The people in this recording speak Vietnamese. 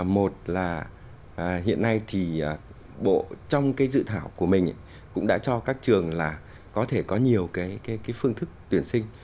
một là hiện nay thì bộ trong cái dự thảo của mình cũng đã cho các trường là có thể có nhiều phương thức tuyển sinh